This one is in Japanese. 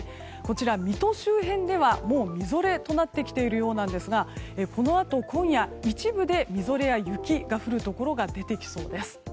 水戸周辺ではもうみぞれとなってきているようなんですがこのあと今夜一部でみぞれや雪が降るところが出てきそうです。